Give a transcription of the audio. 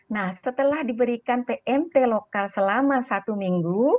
nah setelah diberikan pmt lokal selama satu minggu